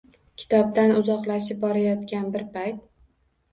Kitobdan uzoqlashib borayotgan bir payt.